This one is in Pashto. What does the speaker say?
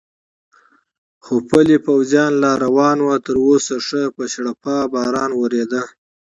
خو پلی پوځیان لا روان و، تراوسه ښه په شړپا باران ورېده.